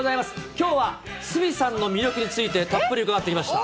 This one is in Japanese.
きょうは鷲見さんの魅力について、たっぷり伺ってきました。